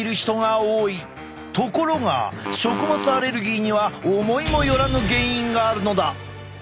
ところが食物アレルギーには思いもよらぬ原因があるのだ！